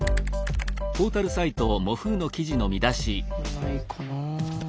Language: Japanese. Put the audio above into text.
ないかな。